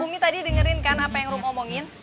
umi tadi dengerin kan apa yang rumi omongin